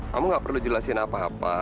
kamu gak perlu jelasin apa apa